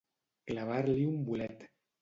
Clavar-li un bolet.